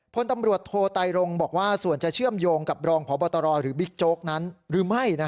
พลตำรวจโทไตรรงบอกว่าส่วนจะเชื่อมโยงกับรองพบตรหรือบิ๊กโจ๊กนั้นหรือไม่